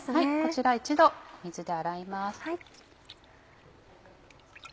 こちら一度水で洗います。